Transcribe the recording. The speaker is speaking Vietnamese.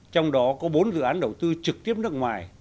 trong đó có bốn dự án đầu tư trực tiếp nước ngoài